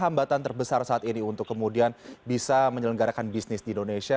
hambatan terbesar saat ini untuk kemudian bisa menyelenggarakan bisnis di indonesia